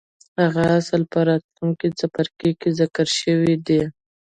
هغه اصل په راتلونکي څپرکي کې ذکر شوی دی.